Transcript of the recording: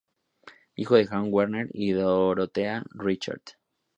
Hijo de Juan Werner y de Dorotea Richter.